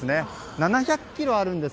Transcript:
７００ｋｇあるんです